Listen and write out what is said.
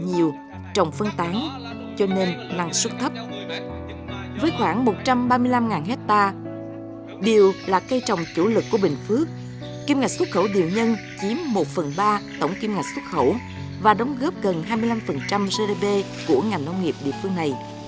kim ngạch xuất khẩu điều nhân chiếm một phần ba tổng kim ngạch xuất khẩu và đóng góp gần hai mươi năm gdp của ngành nông nghiệp địa phương này